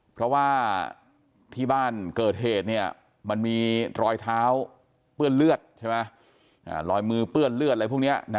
เพราะว่าที่บ้านเกิดเหตุมันมีรอยเท้าเปื้อนเลือดใช่ไหมรอยมือเปื้อนเลือดอะไรพวกนี้